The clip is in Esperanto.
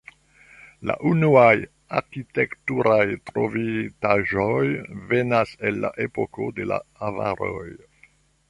La unuaj arkitekturaj trovitaĵoj venas el la epoko de la avaroj.